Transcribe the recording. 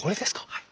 はい。